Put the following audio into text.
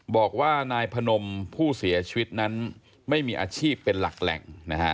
บอกว่านายพนมผู้เสียชีวิตนั้นไม่มีอาชีพเป็นหลักแหล่งนะฮะ